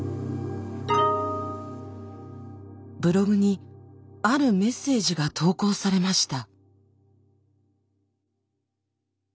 ブログにあるメッセージが投稿されました。